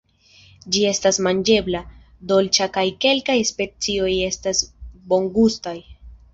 Ĝi estas manĝebla, dolĉa kaj kelkaj specioj estas bongustaj.